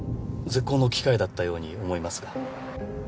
絶好の機会だったように思いますが。